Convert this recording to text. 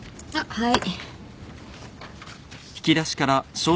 はい？